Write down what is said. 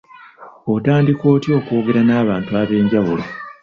Otandika otya okwogera n’abantu ab’enjawulo?